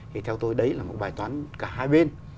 thì theo tôi đấy là một bài toán cả hai bên